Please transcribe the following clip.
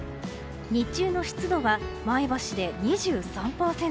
日中の湿度は前橋で２３％